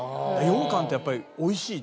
羊かんってやっぱり美味しい。